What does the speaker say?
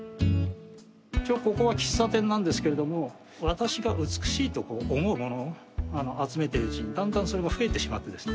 一応ここは喫茶店なんですけれども私が美しいとこう思うものを集めているうちにだんだんそれが増えてしまってですね。